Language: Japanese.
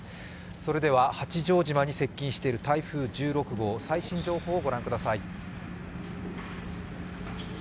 それでは八丈島に接近している台風１６号の最新情報をご覧ください。